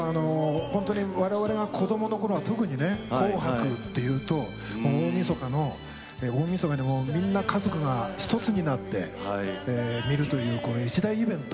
我々が子どものころは特に「紅白」というと大みそかの家族が皆１つになって見るという一大イベント。